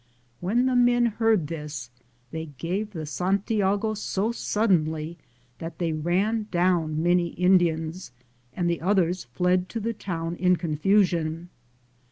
When the men heard this, they gave the Santiago so suddenly that they ran down many Indians and the others fled to the town in confusion.